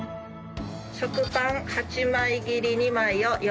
食パン８枚切り２枚を用意します。